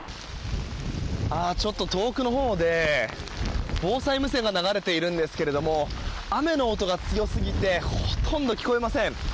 遠くのほうで防災無線が流れているんですが雨の音が強すぎてほとんど聞こえません。